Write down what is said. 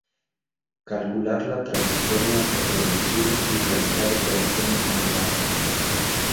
Calcular la trayectoria de proyectiles y realizar operaciones matemáticas.